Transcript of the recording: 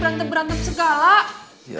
berantem berantem gak ada sedikit sedikitan